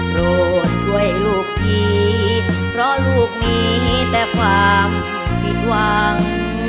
ลูกช่วยลูกทีเพราะลูกมีแต่ความผิดหวัง